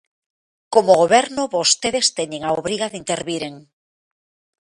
Como goberno, vostedes teñen a obriga de interviren.